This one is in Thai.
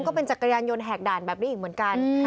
จักรยานยนต์แหกด่านแบบนี้อีกเหมือนกัน